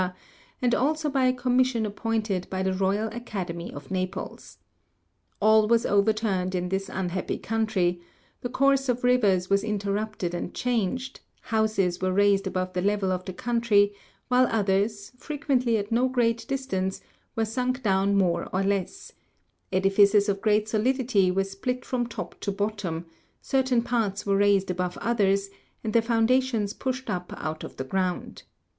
and also by a commission ap pointed by the royal academy of Naples. All was overturned in this unhappy country ; the course of rivers was interrupted and changed ; houses were raised above the level of the country, while others, frequently at no great distance, were sunk down more or less ; edifices of great solidity were split from top to bottom ; cer tain parts were raised above others, and the foundations pushed up out of the ground.